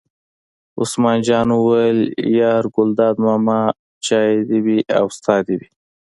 عثمان جان وویل: یار ګلداد ماما چای دې وي او ستا دې وي.